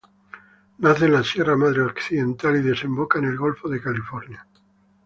Nace en la Sierra Madre Occidental y desemboca en el golfo de California.